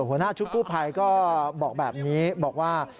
หัวหน้าชุดกู้ภัยก็บอกแบบนี้บอกว่า